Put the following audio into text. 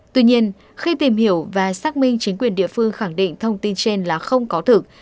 tuy nhiên khi tìm hiểu và xác minh chính quyền địa phương khẳng định thông tin trên là không có thực